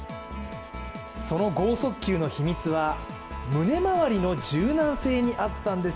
その剛速球の秘密は胸回りの柔軟性にあったんです。